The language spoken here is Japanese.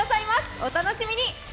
お楽しみに。